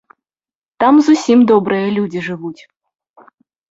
Там зусім добрыя людзі жывуць.